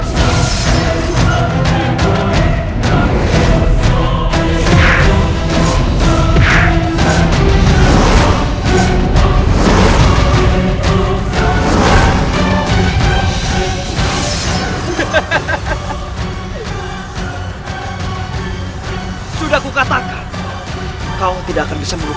kau tidak akan bisa merukaiku